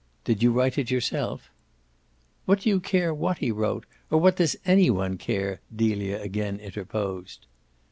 "Did you write it yourself?" "What do you care what he wrote or what does any one care?" Delia again interposed.